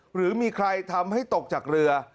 หรือมีใครทำให้ตกจากเรือ